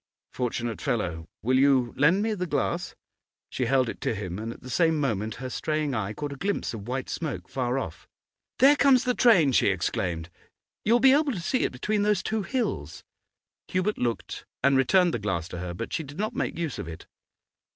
'Fortunate fellow! Will you lend me the glass?' She held it to him, and at the same moment her straying eye caught a glimpse of white smoke, far off. 'There comes the train!' she exclaimed. 'You will be able to see it between these two hills.' Hubert looked and returned the glass to her, but she did not make use of it.